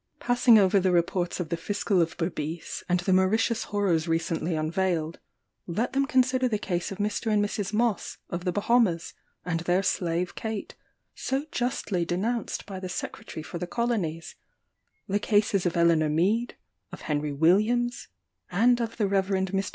Passing over the reports of the Fiscal of Berbice, and the Mauritius horrors recently unveiled, let them consider the case of Mr. and Mrs. Moss, of the Bahamas, and their slave Kate, so justly denounced by the Secretary for the Colonies; the cases of Eleanor Mead, of Henry Williams, and of the Rev. Mr.